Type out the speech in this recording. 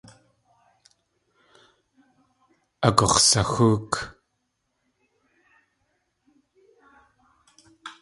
Agux̲saxóok.